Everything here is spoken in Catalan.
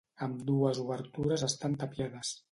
Ambdues obertures estan tapiades.